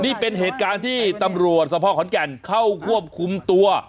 นี่เป็นเหตุการณ์ที่ตำรวจสภขอนแก่นเข้าควบคุมตัว